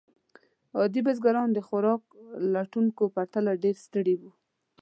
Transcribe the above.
عادي بزګران د خوراک لټونکو پرتله ډېر ستړي وو.